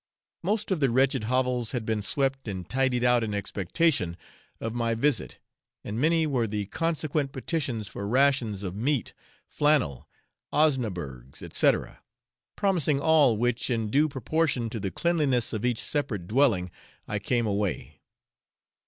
Most of the wretched hovels had been swept and tidied out in expectation of my visit, and many were the consequent petitions for rations of meat, flannel, osnaburgs, etc. Promising all which, in due proportion to the cleanliness of each separate dwelling, I came away.